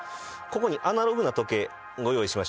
ここにアナログな時計ご用意しました。